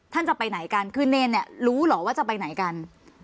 จะไปไหนกันคือเนรเนี่ยรู้เหรอว่าจะไปไหนกัน